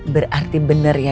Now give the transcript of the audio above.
berarti bener ya